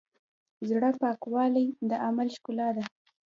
د زړۀ پاکوالی د عمل ښکلا ده.